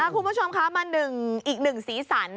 คุณผู้ชมคะมาอีกหนึ่งสีสัน